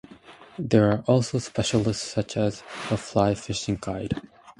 There are also specialists such as a Fly fishing Guide.